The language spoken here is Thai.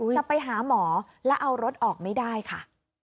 จะไปหาหมอแล้วเอารถออกไม่ได้ค่ะ